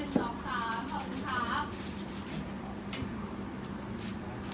ขอบคุณค่ะ